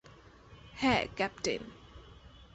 হ্যা, ক্যাপ্টেন।